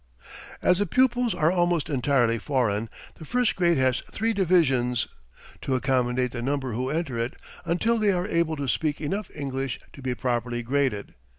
"As the pupils are almost entirely foreign, the first grade has three divisions, to accommodate the number who enter it until they are able to speak enough English to be properly graded.